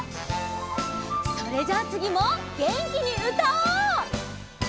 それじゃあつぎもげんきにうたおう！